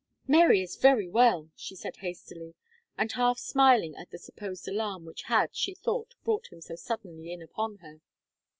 "Mary is very well," she said, hastily, and half smiling at the supposed alarm which had, she thought, brought him so suddenly in upon her.